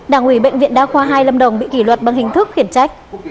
đảng ủy bệnh viện đa khoa hai lâm đồng bị kỷ luật bằng hình thức khiển trách